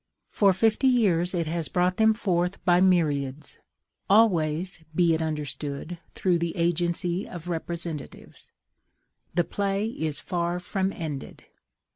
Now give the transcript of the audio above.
For fifty years it has brought them forth by myriads; always, be it understood, through the agency of representatives. The play is far from ended.